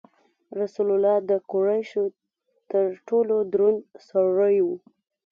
رسول الله د قریشو تر ټولو دروند سړی و.